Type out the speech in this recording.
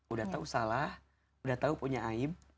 udah tahu salah udah tahu punya aib